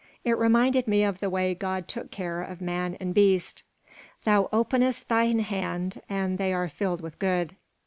It reminded me of the way God took care of man and beast: "Thou openest thine hand and they are filled with good."